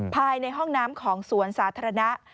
ภายในห้องน้ำของสวนสาธารณะ